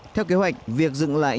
theo kế hoạch việc dựng lại nhà